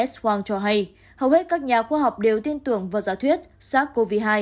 s quang cho hay hầu hết các nhà khoa học đều tin tưởng vào giả thuyết sars cov hai